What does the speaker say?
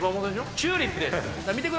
チューリップです。